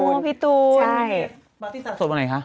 ใช่ปาร์ตี้สละสดไหนคะ